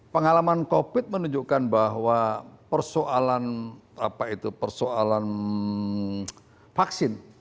pengalaman covid menunjukkan bahwa persoalan apa itu persoalan vaksin